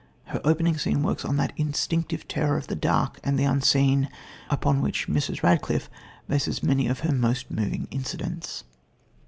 Her opening scene works on that instinctive terror of the dark and the unseen, upon which Mrs. Radcliffe bases many of her most moving incidents.